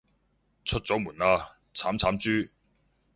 出咗門口喇，慘慘豬